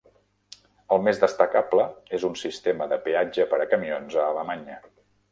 El més destacable és un sistema de peatge per a camions a Alemanya.